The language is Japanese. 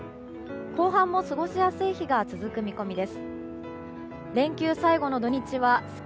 後半も過ごしやすい日が続く見込みです。